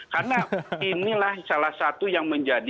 karena inilah salah satu yang menjadi